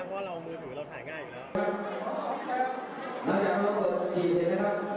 น้องน้องจะพูดหนึ่งนะครับร่างกายสูงรุ่นเสียงแรงนะครับ